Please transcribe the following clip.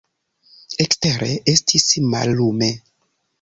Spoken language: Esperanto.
Ekstere estis mallume.